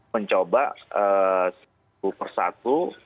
mencoba satu persatu